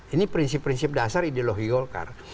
ini prinsip prinsip dasar ideologi golkar